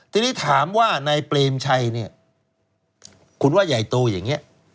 ทีนี้ถามว่านายเปรมชัยเนี่ยคุณว่าใหญ่โตอย่างนี้